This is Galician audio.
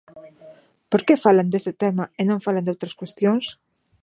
¿Por que falan deste tema e non falan doutras cuestións?